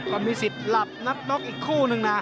ก็มีสิทธิ์หลับนับน็อกอีกคู่นึงนะ